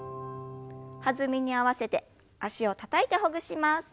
弾みに合わせて脚をたたいてほぐします。